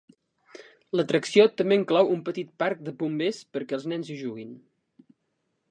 L'atracció també inclou un petit parc de bombers perquè els nens hi juguin.